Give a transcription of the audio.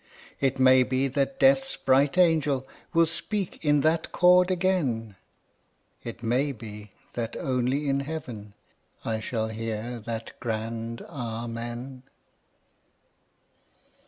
It may be that Death's bright angel Will speak in that chord again, It may be that only in Heaven I shall hear that grand Amen.